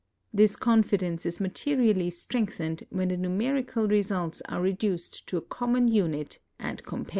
This confidence is materially strengthened when the numerical residts are reduced to a common unit and compared.